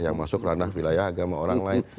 yang masuk ranah wilayah agama orang lain